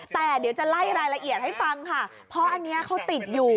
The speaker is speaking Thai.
แต่เดี๋ยวจะไล่รายละเอียดให้ฟังค่ะเพราะอันนี้เขาติดอยู่